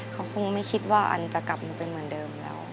เขาคงไม่คิดว่าอันจะกลับมาเป็นเหมือนเดิมแล้ว